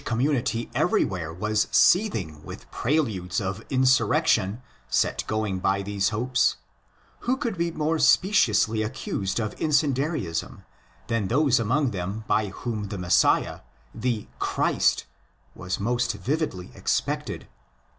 When the Jewish community every where was seething with preludes of insurrection set going by these hopes, who could be more speciously accused of incendiarism than those among them by whom the Messiah—'' the Christ "' (χριστός, 'Anointed) —was most vividly expected?